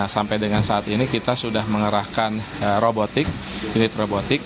sampai dengan saat ini kita sudah mengerahkan robotik robotik